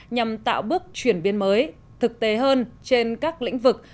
nhằm tạo bước chuyển biến mới thực tế hơn trên các lĩnh vực